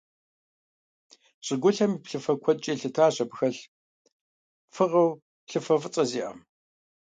ЩӀыгулъым и плъыфэр куэдкӀэ елъытащ абы хэлъ фыгъэу плъыфэ фӀыцӀэ зиӀэм.